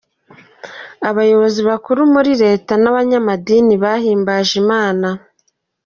Abayobozi bakuru muri Leta n'abanyamadini bahimbaje Imana.